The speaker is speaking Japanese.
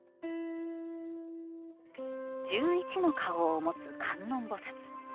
１１の顔を持つ観音菩薩。